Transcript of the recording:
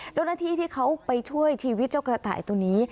เจ้าหน้าที่ที่เขาไปช่วยชีวิตเจ้ากระต่ายตัวนี้